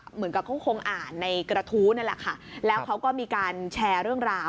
เหมือนกับเขาคงอ่านในกระทู้นั่นแหละค่ะแล้วเขาก็มีการแชร์เรื่องราว